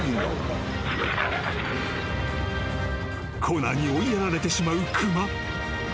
［コーナーに追いやられてしまう熊］